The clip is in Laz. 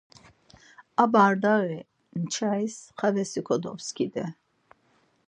A bardaği nçais xavesi kodopskidi.